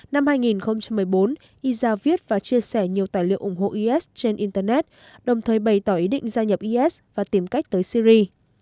năm hai nghìn một mươi bốn yza viết và chia sẻ nhiều tài liệu ủng hộ is trên internet đồng thời bày tỏ ý định gia nhập is và tìm cách tới syri